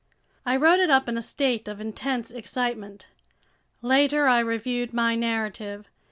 I wrote it up in a state of intense excitement. Later I reviewed my narrative.